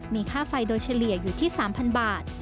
มีค่าไฟโดยเฉลี่ยอยู่ที่๓๐๐บาท